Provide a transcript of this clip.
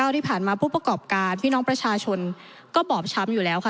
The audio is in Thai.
ที่ผ่านมาผู้ประกอบการพี่น้องประชาชนก็บอบช้ำอยู่แล้วค่ะ